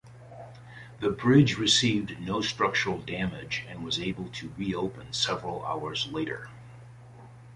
The bridge received no structural damage and was able to reopen several hours later.